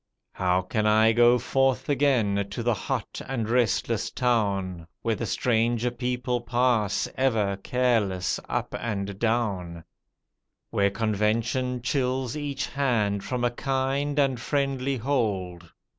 How can I go forth again to the hot and restless town. Where the stranger people pass ever careless up and down, Where convention chills each hand from a kind and friendly hold?